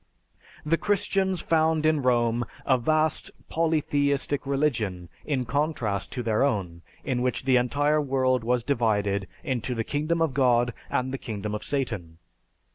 The Christians found in Rome a vast polytheistic religion in contrast to their own in which the entire world was divided into the Kingdom of God and the Kingdom of Satan.